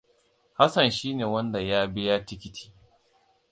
Hassan shine wanda ya biya tikiti.